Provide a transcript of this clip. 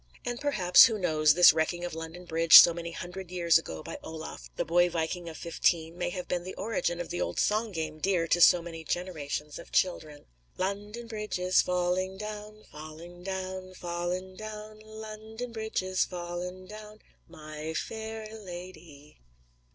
And perhaps, who knows, this wrecking of London Bridge so many hundred years ago by Olaf, the boy viking of fifteen, may have been the origin of the old song game dear to so many generations of children: "London Bridge is fallen down, fallen down, fallen down London Bridge is fallen down, my fair lady!"